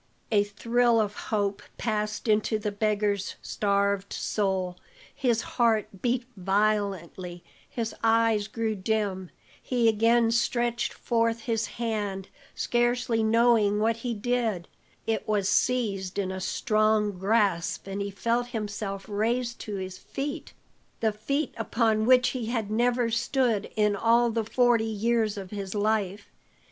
A thrill of hope passed into the beggar's starved soul; his heart beat violently, his eyes grew dim, he again stretched forth his hand, scarcely knowing what he did; it was seized in a strong grasp, and he felt himself raised to his feet the feet upon which he had never stood in all the forty years of his life.